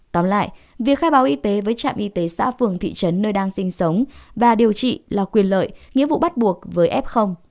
tóm lại việc khai báo y tế với trạm y tế xã phường thị trấn nơi đang sinh sống và điều trị là quyền lợi nghĩa vụ bắt buộc với f